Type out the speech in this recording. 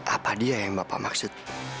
apa dia yang bapak maksud